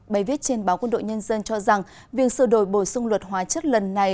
bài viết trên báo quân đội nhân dân cho rằng việc sửa đổi bổ sung luật hóa chất lần này